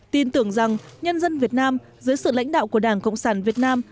tin tưởng rằng nhân dân việt nam dưới sự lãnh đạo của đảng cộng sản việt nam